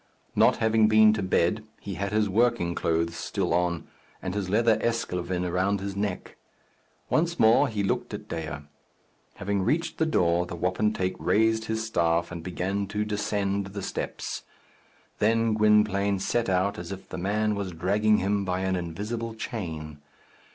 Not having been to bed, he had his working clothes still on, and his leather esclavin round his neck. Once more he looked at Dea. Having reached the door, the wapentake raised his staff and began to descend the steps; then Gwynplaine set out as if the man was dragging him by an invisible chain.